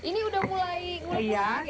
ini udah mulai ngulut ngulut kayaknya